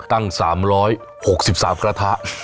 ตั้ง๓๖๓กระทะ